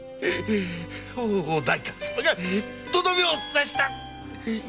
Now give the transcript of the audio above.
お代官様がとどめを刺した！